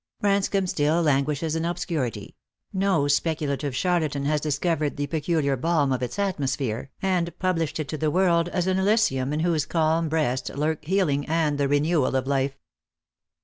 Branscomb still languishes in obscurity; no specu lative charlatan has discovered the peculiar balm of its atmo sphere, and published it to the world as an elysium in whose calm breast lurk healing and the renewal of life.